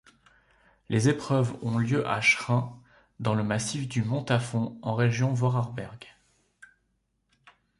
Les épreuves ont lieu à Schruns, dans le massif du Montafon en région Vorarberg.